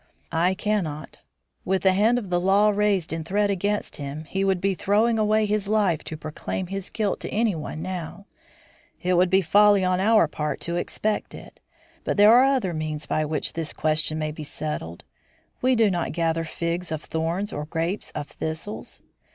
"I cannot. With the hand of the law raised in threat against him, he would be throwing away his life to proclaim his guilt to anyone now. It would be folly on our part to expect it. But there are other means by which this question may be settled. We do not gather figs of thorns or grapes of thistles.